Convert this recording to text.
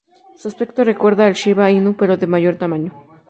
Su aspecto recuerda al Shiba Inu pero de mayor tamaño.